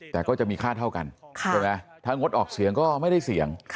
แต่ก็จะมีค่าเท่ากันใช่ไหมถ้างดออกเสียงก็ไม่ได้เสี่ยง